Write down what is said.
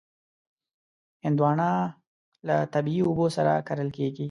هندوانه له طبعي اوبو سره کرل کېږي.